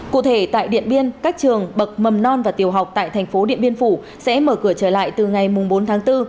cụ thể tại điện biên các trường bậc mầm non và tiểu học tại thành phố điện biên phủ sẽ mở cửa trở lại từ ngày bốn tháng bốn